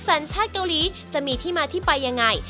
สัญชาติเกาหลีจะมีที่มาที่ไปยังไง